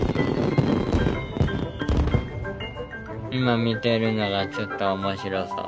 今見てるのがちょっと面白そう。